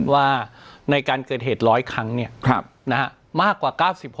ว่าในการเกิดเหตุร้อยครั้งเนี่ยมากกว่า๙๖